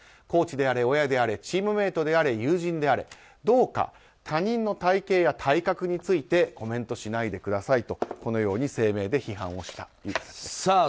コーチであれ、親であれチームメートであれ、友人であれどうか、他人の体形や体格についてコメントしないでくださいと声明で批判をしたということです。